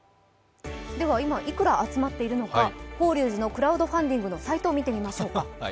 今、いくら集まっているのか法隆寺のクラウドファンディングのサイトを見てみましょうか。